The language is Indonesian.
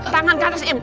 tangan ke atas im